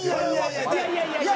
いやいやいや！